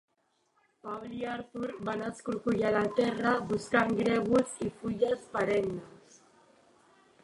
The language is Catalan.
Paul i Arthur van escorcollar la terra buscant grèvols i fulles perennes.